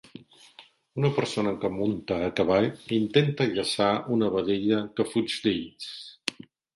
Una persona que munta a cavall, intenta llaçar una vedella que fuig d'ells.